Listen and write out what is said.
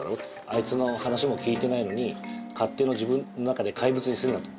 「あいつの話も聞いてないのに、勝手に自分の中で怪物にするな。」